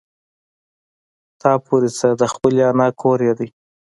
تا پورې څه د خپلې نيا کور يې دی.